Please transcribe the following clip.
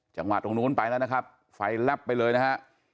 จังหวัดตรงนู้นไปแล้วนะครับไฟแลบไปเลยนะฮะ